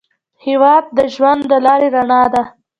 هېواد د ژوند د لارې رڼا ده.